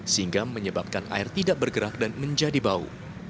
sehingga menyebabkan air tidak bergerak dan menjadi bau